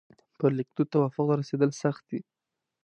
پر لیکدود توافق ته رسېدل سخت دي.